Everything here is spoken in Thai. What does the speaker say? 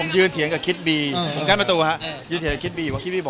มันปิดบังไม่ได้จริงนะครับ